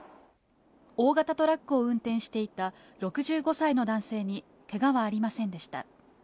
大型トラックを運転していた６５歳の男性にけがはありませんでした。